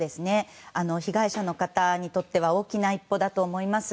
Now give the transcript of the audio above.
被害者の方にとっては大きな一歩だと思います。